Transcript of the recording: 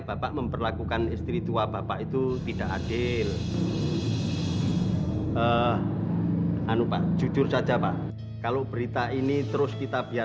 sampai jumpa di video selanjutnya